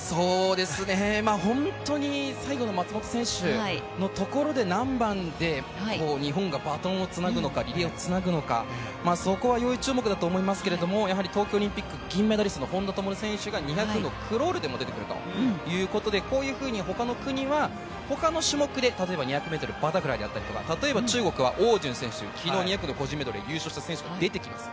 本当に最後の松元選手のところで何番で日本がバトン、リレーをつなぐのかそこは要注目だと思いますが、東京オリンピック、銀メダリストの本多灯選手が２００のクロールでも出てくるということで他の国はほかの種目で、例えば２００ｍバタフライであったり、例えば中国は汪順選手、昨日２００の個人メドレーで優勝した選手もいます。